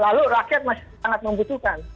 lalu rakyat masih sangat membutuhkan